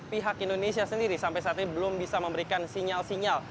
pihak indonesia sendiri sampai saat ini belum bisa memberikan sinyal sinyal